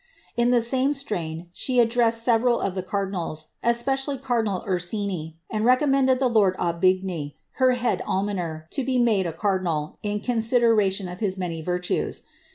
''' In the same strain she addressed several le cardinals, especially cardinal Ursini, and recommended the lord igny, her head almoner, to be made a cardinal, in consideration of nany virtues.